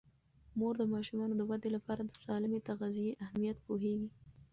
مور د ماشومانو د ودې لپاره د سالمې تغذیې اهمیت پوهیږي.